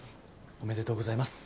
おめでとうございます。